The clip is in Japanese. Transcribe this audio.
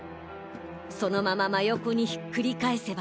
そのまま真横にひっくり返せば。